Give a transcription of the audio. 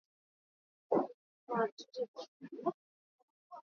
huku mpinzani wake mkongwe pier bambadou